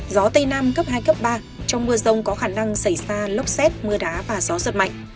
gió tây nam cấp hai cấp ba trong mưa rông có khả năng xảy ra lốc xét mưa đá và gió giật mạnh